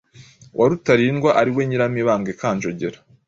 wa Rutalindwa ariwe Nyiramibambwe Kanjogera